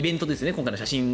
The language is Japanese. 今回の写真